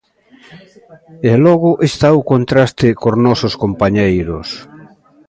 E logo está o contraste cos nosos compañeiros.